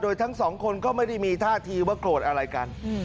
ทั้งสองคนก็ไม่ได้มีท่าทีว่าโกรธอะไรกัน